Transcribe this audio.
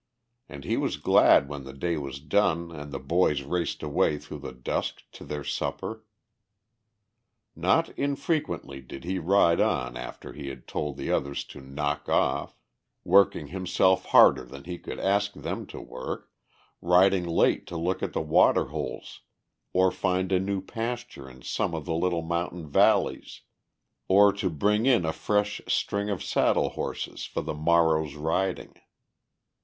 And he was glad when the day was done and the boys raced away through the dusk to their supper. Not infrequently did he ride on after he had told the others to "knock off," working himself harder than he could ask them to work, riding late to look at the water holes or find a new pasture in some of the little mountain valleys or to bring in a fresh string of saddle horses for the morrow's riding.